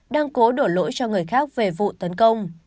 đang cố đổ lỗi cho người khác về vụ tấn công